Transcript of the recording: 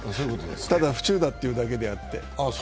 ただ、府中だというだけで。